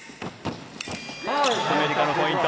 アメリカのポイント。